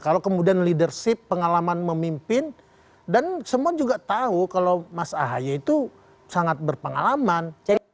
kalau kemudian leadership pengalaman memimpin dan semua juga tahu kalau mas ahaye itu sangat berpengalaman